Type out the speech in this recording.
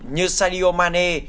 như sadio mane